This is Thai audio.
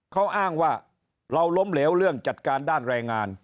เขาอ้างว่าเราล้มเหลวเรื่องจัดการด้านแรงงาน